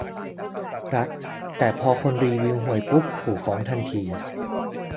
รัก แต่พอคนรีวิวห่วยปุ๊บขู่ฟ้องทันที